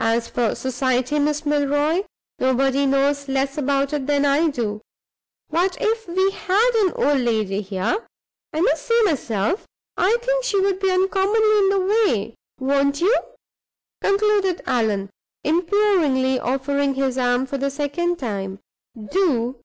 As for society, Miss Milroy, nobody knows less about it than I do; but if we had an old lady here, I must say myself I think she would be uncommonly in the way. Won't you?" concluded Allan, imploringly offering his arm for the second time. "Do!"